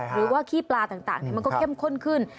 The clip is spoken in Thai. ขี้ปลาต่างมันก็เข้มข้นขึ้น